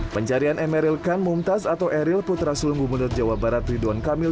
pencarian emeril kan mumtaz atau eril putra sulung gubernur jawa barat ridwan kamil